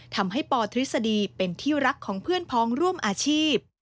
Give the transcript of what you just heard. ทำให้ปทฤษฎีเป็นที่รักของเพื่อนพ้องร่วมอาชีพ